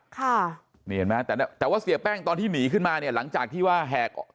ค่ะนี่เห็นไหมแต่แต่ว่าเสียแป้งตอนที่หนีขึ้นมาเนี่ยหลังจากที่ว่าแหก